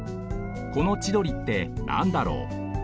この「千鳥」ってなんだろう？